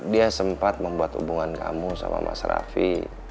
dia sempat membuat hubungan kamu sama mas raffi